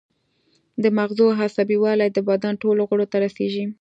د مغزو عصبي ولۍ د بدن ټولو غړو ته رسیږي